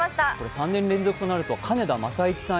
３年連続となる金田正一さん